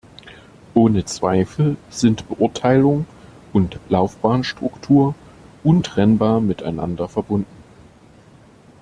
Ohne Zweifel sind Beurteilung und Laufbahnstruktur untrennbar miteinander verbunden.